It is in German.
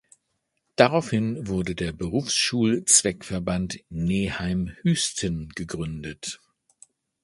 Daraufhin wurde der Berufsschul-Zweckverband Neheim-Hüsten gegründet.